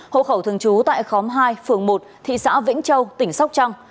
hộ khẩu thường trú tại khóm hai phường một thị xã vĩnh châu tỉnh sóc trăng